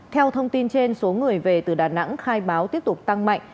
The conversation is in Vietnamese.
theo thông tin trên số người về từ đà nẵng khai báo tiếp tục tăng mạnh